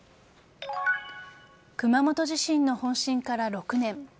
熊本地震の本震から６年。